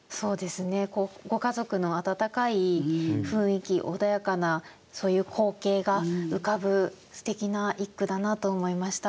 ご家族の温かい雰囲気穏やかなそういう光景が浮かぶすてきな一句だなと思いました。